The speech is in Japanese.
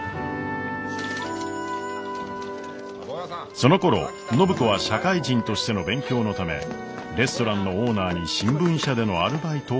そのころ暢子は社会人としての勉強のためレストランのオーナーに新聞社でのアルバイトを命じられ。